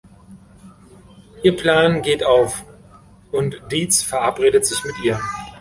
Ihr Plan geht auf und Deeds verabredet sich mit ihr.